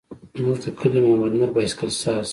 زموږ د کلي محمد نور بایسکل ساز.